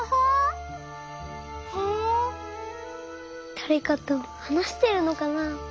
だれかとはなしてるのかな？